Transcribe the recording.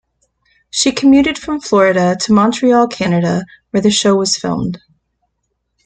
She commuted from Florida to Montreal, Canada, where the show was filmed.